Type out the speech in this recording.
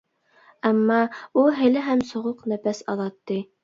ئەمما ئۇ ھېلىھەم سوغۇق نەپەس ئالاتتى.